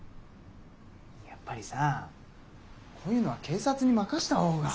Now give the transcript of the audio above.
やっぱりさこういうのは警察に任した方が。